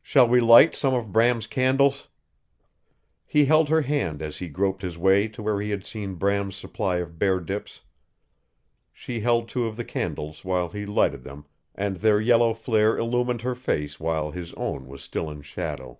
Shall we light some of Bram's candles?" He held her hand as he groped his way to where he had seen Bram's supply of bear dips. She held two of the candles while he lighted them and their yellow flare illumined her face while his own was still in shadow.